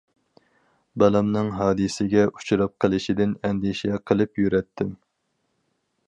بالامنىڭ ھادىسىگە ئۇچراپ قېلىشىدىن ئەندىشە قىلىپ يۈرەتتىم.